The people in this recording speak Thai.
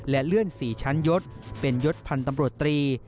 และเลื่อน๔ชั้นยศเป็นยศพันธ์ตำรวจตรี